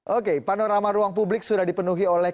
oke panorama ruang publik sudah dipenuhi oleh